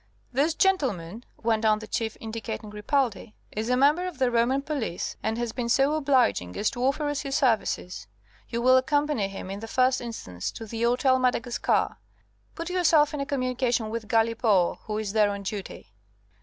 "This gentleman," went on the Chief, indicating Ripaldi, "is a member of the Roman police, and has been so obliging as to offer us his services. You will accompany him, in the first instance, to the Hôtel Madagascar. Put yourself in communication with Galipaud, who is there on duty."